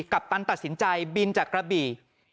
ปัปตันตัดสินใจบินจากกระบี่